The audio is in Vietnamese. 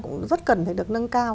cũng rất cần phải được nâng cao